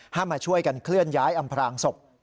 มาช่วยกันเคลื่อนย้ายอำพรางศพ